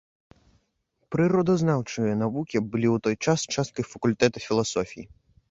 Прыродазнаўчыя навукі былі ў той час часткай факультэта філасофіі.